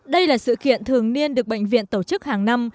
đây là sự kiện thường niên được bệnh viện tổ chức hàng năm